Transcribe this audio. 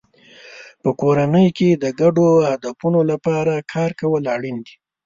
په کورنۍ کې د ګډو هدفونو لپاره کار کول اړین دی.